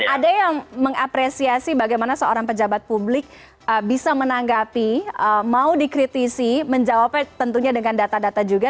ada yang mengapresiasi bagaimana seorang pejabat publik bisa menanggapi mau dikritisi menjawabnya tentunya dengan data data juga